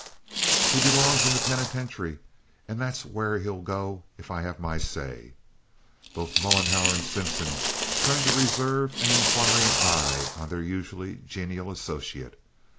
He belongs in the penitentiary, and that's where he'll go if I have my say." Both Mollenhauer and Simpson turned a reserved and inquiring eye on their usually genial associate.